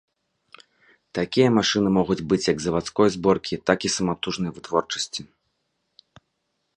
Такія машыны могуць быць як завадской зборкі, так і саматужнай вытворчасці.